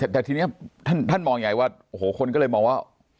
แต่ทีนี้ท่านมองใหญ่ว่าโอ้โหคนก็เลยมองว่า